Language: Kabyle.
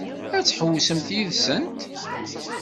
Ad tḥewwsemt yid-sent?